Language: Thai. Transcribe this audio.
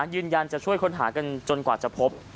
ยืนยันจะช่วยค้นหากันจนกว่าจะพบ